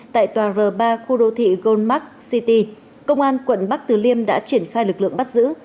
tại tòa r ba khu đô thị goldmark city công an quận bắc từ liêm đã triển khai lực lượng bắt giữ